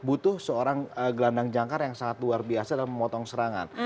butuh seorang gelandang jangkar yang sangat luar biasa dalam memotong serangan